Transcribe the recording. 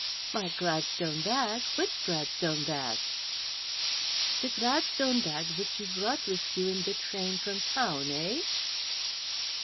"My Gladstone bag! which Gladstone bag?" "The Gladstone bag which you brought with you in the train from town, eh?"